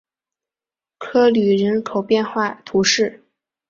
科吕人口变化图示